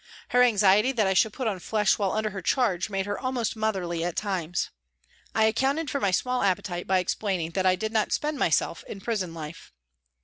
Her anxiety that I should put on flesh while under her charge made her almost motherly at times. I accounted for my small appetite by explaining that I did not spend myself in prison hie.